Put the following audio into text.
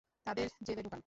তাদের জেলে ডুকান।